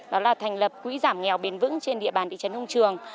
đó là thành lập quỹ giảm nghèo bền vững trên địa bàn thị trấn đông trường